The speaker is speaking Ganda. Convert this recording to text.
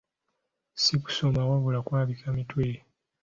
Si kusoma wabula kwabika mitwe.